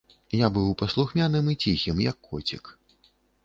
Я быў паслухмяным і ціхім, як коцік.